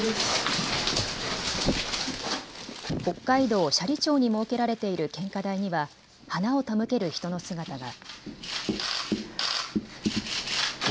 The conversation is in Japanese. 北海道斜里町に設けられている献花台には花を手向ける人の姿が。